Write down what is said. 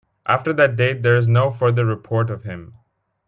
After that date, there is no further report of him.